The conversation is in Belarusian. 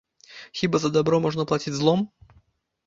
Хіба за дабро можна плаціць злом?